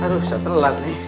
aduh saat lelah nih